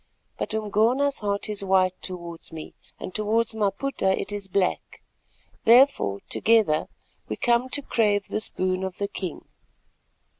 But Umgona's heart is white towards me, and towards Maputa it is black, therefore together we come to crave this boon of the king."